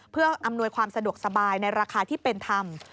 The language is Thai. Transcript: เพื่ออำนวยความสะดวกสบายในราคาที่เป็นธรรม